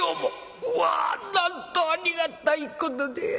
うわなんとありがたいことで。